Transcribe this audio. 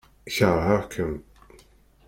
Keṛheɣ-kem.